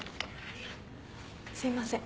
すいません。